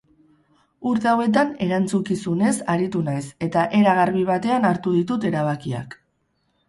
Urte hauetan erantzunkizunez aritu naiz eta era garbi batean hartu ditut erabakiak.